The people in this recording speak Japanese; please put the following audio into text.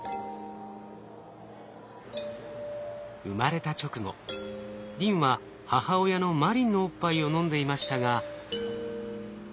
生まれた直後リンは母親のマリンのおっぱいを飲んでいましたが。